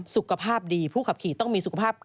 สุขภาพดีผู้ขับขี่ต้องมีสุขภาพ